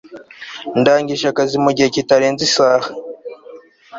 ndangije akazi mu gihe kitarenze isaha